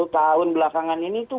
sepuluh tahun belakangan ini tuh